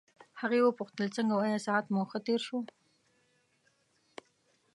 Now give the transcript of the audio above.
هغې وپوښتل څنګه وو آیا ساعت مو ښه تېر شو.